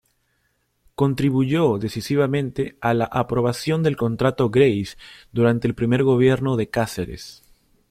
Contribuyó decisivamente a la aprobación del contrato Grace durante el primer gobierno de Cáceres.